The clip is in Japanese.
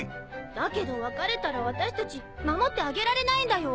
だけど別れたら私たち守ってあげられないんだよ！？